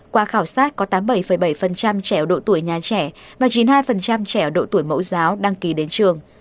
qua khảo sát có tám mươi bảy bảy trẻ ở độ tuổi nhà trẻ và chín mươi hai trẻ ở độ tuổi mẫu giáo đăng ký đến trường